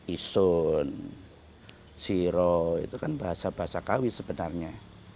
ison siro itu kan bahasa bahasa kawi sebenarnya